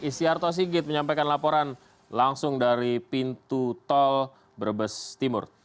istiarto sigit menyampaikan laporan langsung dari pintu tol brebes timur